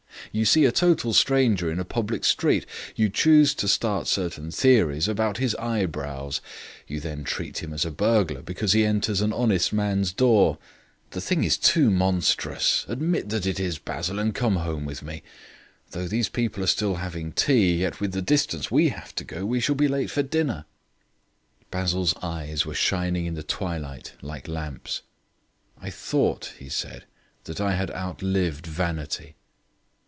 You see a total stranger in a public street; you choose to start certain theories about his eyebrows. You then treat him as a burglar because he enters an honest man's door. The thing is too monstrous. Admit that it is, Basil, and come home with me. Though these people are still having tea, yet with the distance we have to go, we shall be late for dinner." Basil's eyes were shining in the twilight like lamps. "I thought," he said, "that I had outlived vanity."